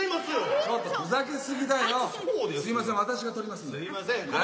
すみません。